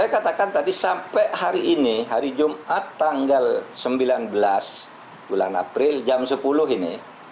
saya katakan tadi sampai hari ini hari jumat tanggal sembilan belas bulan april jam sepuluh ini